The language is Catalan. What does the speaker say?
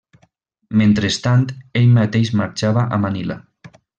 Mentrestant ell mateix marxava a Manila.